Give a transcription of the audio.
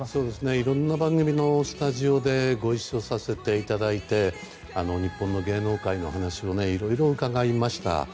いろいろな番組のスタジオでご一緒させていただいて日本の芸能界の話もいろいろ伺いました。